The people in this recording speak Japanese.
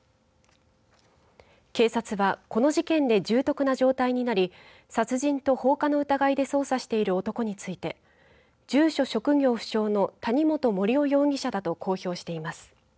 警察はこの事件で重篤な状態になり殺人と放火の疑いで捜査している男について住所、職業不詳の谷本盛雄容疑者だと公表しています。